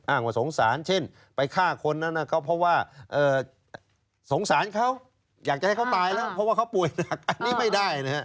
ว่าสงสารเช่นไปฆ่าคนนั้นก็เพราะว่าสงสารเขาอยากจะให้เขาตายแล้วเพราะว่าเขาป่วยหนักอันนี้ไม่ได้นะฮะ